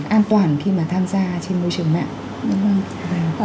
an toàn khi mà tham gia trên môi trường mạng